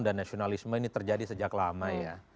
dan nasionalisme ini terjadi sejak lama ya